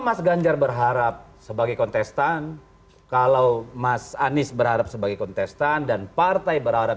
mas ganjar berharap sebagai kontestan kalau mas anies berharap sebagai kontestan dan partai berharap